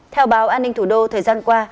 theo báo an ninh thủ đô thời gian qua